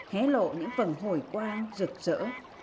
hé lộ những phần hồi quang rực rỡ